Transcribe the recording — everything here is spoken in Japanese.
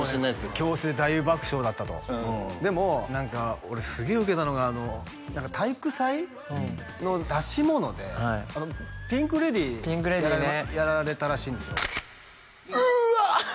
教室で大爆笑だったとでも何か俺すげえウケたのが何か体育祭の出し物でピンク・レディーやられたらしいんですようわっ！